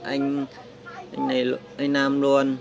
anh nam luôn